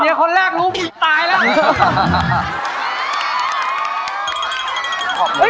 เดี๋ยวคนแรกรู้ผิดตายแล้ว